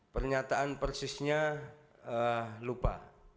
pernyataan persisnya lupa